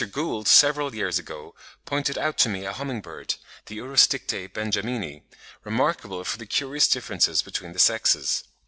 Gould several years ago pointed out to me a humming bird, the Urosticte benjamini, remarkable for the curious differences between the sexes.